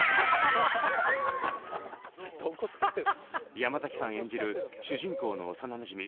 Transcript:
山崎さん演じる主人公の幼なじみ